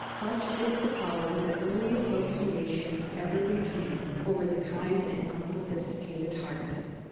Such is the power that early associations ever retain over the kind and unsophisticated heart.